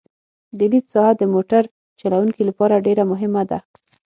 د لید ساحه د موټر چلوونکي لپاره ډېره مهمه ده